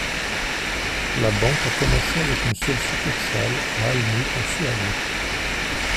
La banque a commencé avec une seule succursale à Älmhult, en Suède.